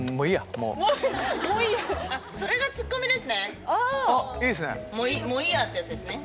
もういいや！ってやつですね。